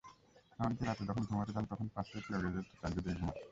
এমনকি রাতে যখন ঘুমাতে যান, তখন পাশেই প্রিয় গ্যাজেটটি চার্জে দিয়ে ঘুমান।